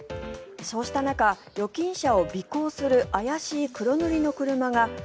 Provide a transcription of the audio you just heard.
そうした中、預金者を尾行する怪しい黒塗りの車が。